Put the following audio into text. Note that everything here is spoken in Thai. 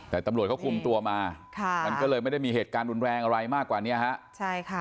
แต่ตำรวจเขาคุมตัวมาค่ะมันก็เลยไม่ได้มีเหตุการณ์รุนแรงอะไรมากกว่านี้ฮะใช่ค่ะ